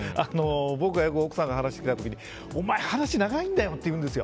僕はよく奥さんと話している時にお前話長いんだよって言うんですよ。